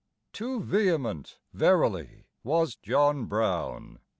Too vehement, verily, was John Brown!